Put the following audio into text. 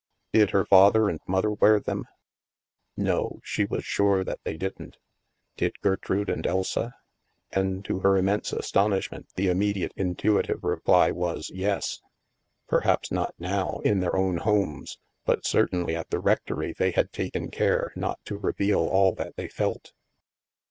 Did her father and mother wear them ? No, she was sure that they didn't. Did Gertrude and Elsa ? And to her immense as tonishment, the immediate intuitive reply was " yes." Perhaps not now, in their own homes. But certainly at the rectory they had taken care not to reveal all that they felt.